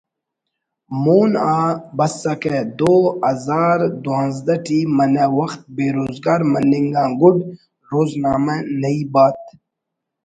مون آ بسکہ دو ہزار دوانزدہ ٹی منہ وخت بے روزگار مننگ آن گُڈ روزنامہ ”نئی بات“